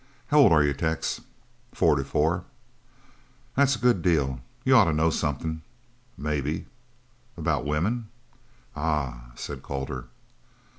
"How old are you, Tex?" "Forty four." "That's a good deal. You ought to know something." "Maybe." "About women?" "Ah!" said Calder.